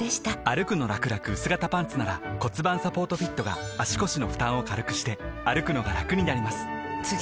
「歩くのらくらくうす型パンツ」なら盤サポートフィットが足腰の負担を軽くしてくのがラクになります覆个△